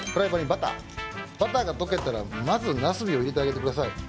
バターが溶けたらまずナスビを入れてあげてください。